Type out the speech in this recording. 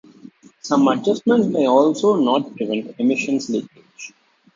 Some adjustments may also not prevent emissions leakage.